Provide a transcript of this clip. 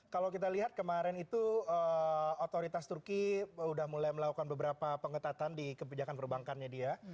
kalau kita lihat kemarin itu otoritas turki sudah mulai melakukan beberapa pengetatan di kebijakan perbankannya dia